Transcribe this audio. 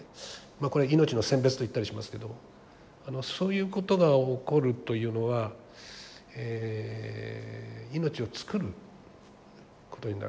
これは命の選別と言ったりしますけどもそういうことが起こるというのは命を作ることになる。